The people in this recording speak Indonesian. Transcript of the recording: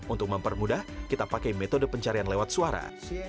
untuk mempermudah kita pakai metode pencarian lewat suara